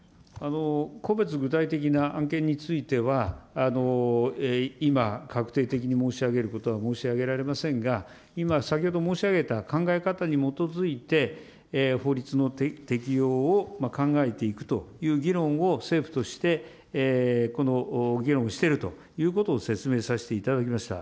個別具体的な案件については、今、確定的に申し上げることは申し上げられませんが、今、先ほど申し上げた考え方に基づいて、法律の適用を考えていくという議論を、政府として議論をしているということを説明させていただきました。